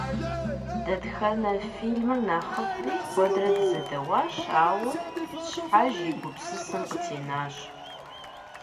Дэтхэнэ фильмыр нэхъыфӀми куэдрэ дызэдэуащ, ауэ щхьэж и гупсысэм къытенащ.